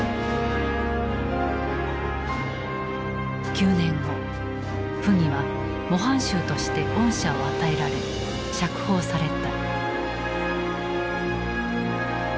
９年後溥儀は模範囚として恩赦を与えられ釈放された。